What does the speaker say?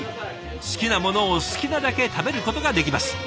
好きなものを好きなだけ食べることができます。